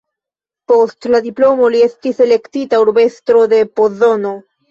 Post la diplomo li estis elektita urbestro de Pozono.